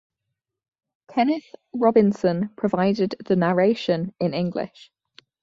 Kenneth Robinson provided the narration in English.